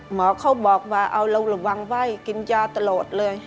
หมอเขาบอกว่าเอาระวังไว้กินยาตลอดเลย